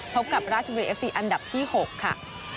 พบกับราชบุรีเอฟซีอันดับที่๖ค่ะ